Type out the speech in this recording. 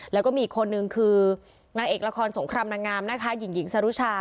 แล้วก็มีอีกคนนึงคือนางเอกละครสงครามนางงามนะคะหญิงหญิงสรุชา